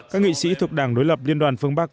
các nghị sĩ thuộc đảng đối lập liên đoàn phương bắc